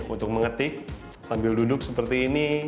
untuk mengetik sambil duduk seperti ini